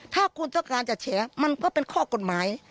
ถ้าคุณต้องการจะแฉมันก็เป็นข้อกฎหมาย